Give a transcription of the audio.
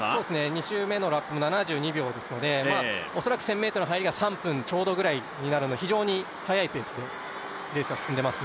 ２周目のラップは７２秒ですので、恐らく１０００ｍ入るのが３分ちょうどぐらいになるので非常に速いペースでレースが進んでいます。